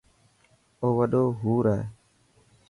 اي وڏو حور هي.